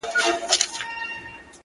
د عربۍ کلاسیک فرهنګونه